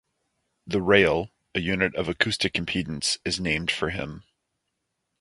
The rayl, a unit of acoustic impedance, is named for him.